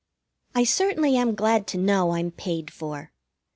I certainly am glad to know I'm paid for.